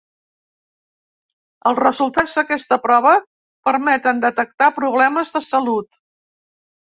Els resultats d'aquesta prova permeten detectar problemes de salut.